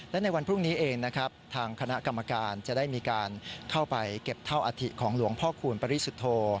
และในวันพรุ่งนี้เองนะครับทางคณะกรรมการจะได้มีการเข้าไปเก็บเท่าอธิของหลวงพ่อคูณปริสุทธโธ